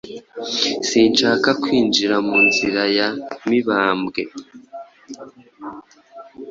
Sinshaka kwinjira mu nzira ya Mibambwe.